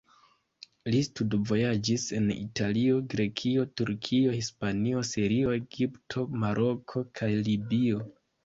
Li studvojaĝis en Italio, Grekio, Turkio, Hispanio, Sirio, Egipto, Maroko kaj Libio.